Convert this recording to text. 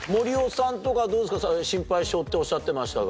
心配性っておっしゃってましたが。